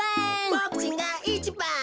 ボクちんがいちばん。